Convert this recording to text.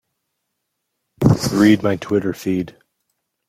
Read my Twitter feed.